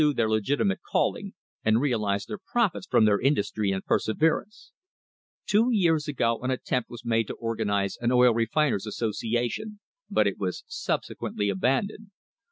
149] THE HISTORY OF THE STANDARD OIL COMPANY their legitimate calling, and realise their profits from their industry and perseverance. Two years ago an attempt was made to organise an oil refiners* association, but it was subsequently abandoned.